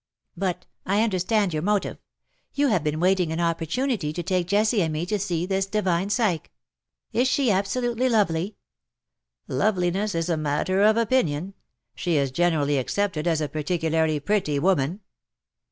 But, I under stand your motive. You have been Avaiting an opportunity to take Jessie and me to see this divine Psyche. Is she absolutely lovely ?" '^Loveliness is a matter of opinion. She is generally accepted as a particularly pretty woman."